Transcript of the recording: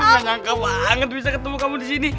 aku gak nyangka banget bisa ketemu kamu disini